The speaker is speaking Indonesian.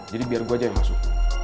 jadi biar gue aja yang masuk